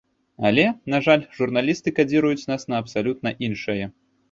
Але, на жаль, журналісты кадзіруюць нас на абсалютна іншае.